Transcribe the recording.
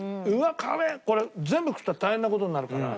これ全部食ったら大変な事になるから。